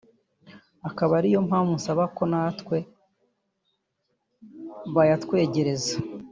akaba ariyo mpamvu nsaba ko natwe bayatwegereza